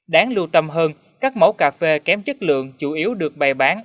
đáng lưu tâm hơn các mẫu cà phê kém chất lượng chủ yếu được bày bán